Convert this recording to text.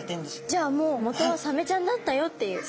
じゃあもう元はサメちゃんだったよっていう。